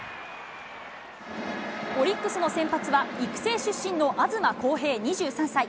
オリックスの先発は、育成出身の東晃平２３歳。